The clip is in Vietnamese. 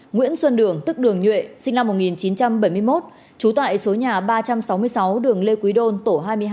nguyễn xuân đường tức đường nhuệ sinh năm một nghìn chín trăm bảy mươi một trú tại số nhà ba trăm sáu mươi sáu đường lê quý đôn tổ hai mươi hai